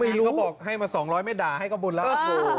เมื่อ่นองค์ก็บอกให้มา๒๐๐ไม่ด่าให้ก็บุญแล้ว